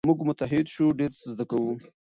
که موږ متحد سو ډېر څه زده کوو.